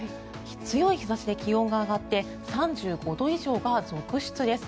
強い日差しで気温が上がって３５度以上が続出です。